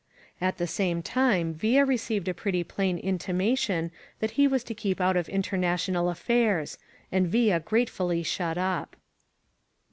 At the same time Villa received a pretty plain in timation that he was to keep out of international af fairs, and Villa gratefully shut up.